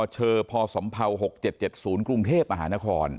ชพศ๖๗๗ศูนย์กรุงเทพฯอาหารณคร